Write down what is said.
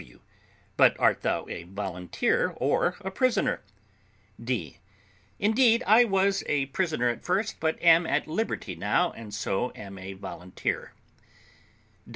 W. But art thou a volunteer, or a prisoner? D. Indeed I was a prisoner at first, but am at liberty now, and so am a volunteer.